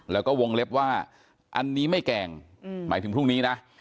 แล้วก็วงเล็บว่าอันนี้ไม่แกล้งหมายถึงพรุ่งนี้นะ